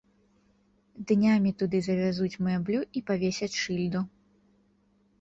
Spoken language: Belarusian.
Днямі туды завязуць мэблю і павесяць шыльду.